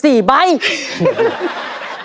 เร็วเร็ว